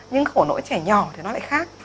nhưng khổ nỗi trẻ nhỏ thì nó lại khác